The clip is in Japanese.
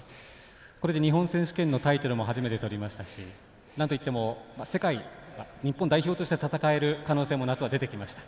これで日本選手権のタイトルも初めて取りましたしなんといっても世界日本代表として戦える可能性も夏は出てきました。